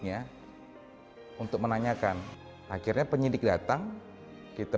yang mereka inginkan itu